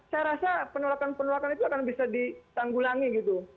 saya rasa penolakan penolakan itu akan bisa ditanggulangi gitu